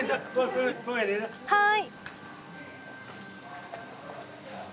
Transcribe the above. はい。